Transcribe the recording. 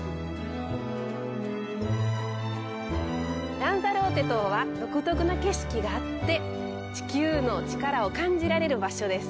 ランサローテ島は独特な景色があって地球の力を感じられる場所です。